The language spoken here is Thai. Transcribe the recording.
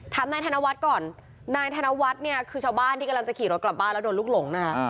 นายธนวัฒน์ก่อนนายธนวัฒน์เนี่ยคือชาวบ้านที่กำลังจะขี่รถกลับบ้านแล้วโดนลูกหลงนะฮะ